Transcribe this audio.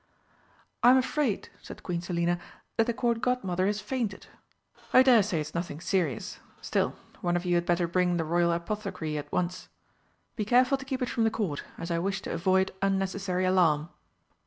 "I'm afraid," said Queen Selina, "that the Court Godmother has fainted. I daresay it's nothing serious, still one of you had better bring the Royal Apothecary at once. Be careful to keep it from the Court, as I wish to avoid unnecessary alarm."